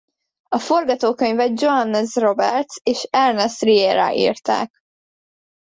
A forgatókönyvet Johannes Roberts és Ernest Riera írták.